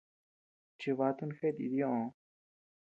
Chivatun jeʼet itñoʼo.